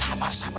aduh aduh aduh